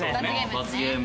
罰ゲーム？